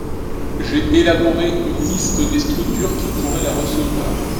j'ai élaboré une liste des structures qui pourrait la recevoir.